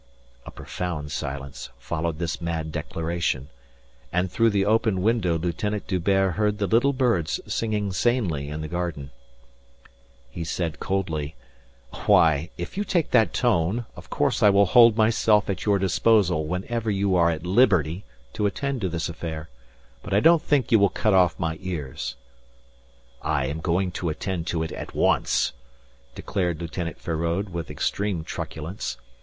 A profound silence followed this mad declaration and through the open window Lieutenant D'Hubert heard the little birds singing sanely in the garden. He said coldly: "Why! If you take that tone, of course I will hold myself at your disposal whenever you are at liberty to attend to this affair. But I don't think you will cut off my ears." "I am going to attend to it at once," declared Lieutenant Feraud, with extreme truculence.